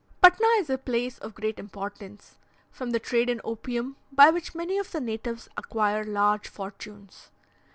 Patna is a place of great importance, from the trade in opium, by which many of the natives acquire large fortunes.